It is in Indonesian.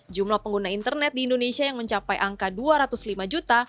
jumlah pengguna internet di indonesia yang mencapai angka dua ratus lima juta